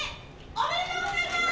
おめでとうございます！